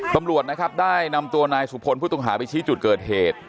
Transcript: ตำรวจนะครับได้นำตัวนายสุพลผู้ต้องหาไปชี้จุดเกิดเหตุ